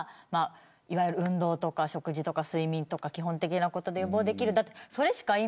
いわゆる運動とか食事とか睡眠とか基本的なことで予防できるだけという今はそれしか。